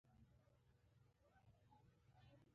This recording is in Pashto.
ښېګڼه د ښه انسان خصلت دی.